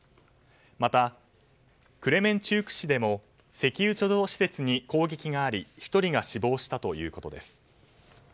またクレメンチューク市でも石油貯蔵施設に攻撃があり１人が死亡したということです。